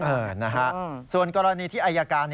นะฮะส่วนกรณีที่อายการ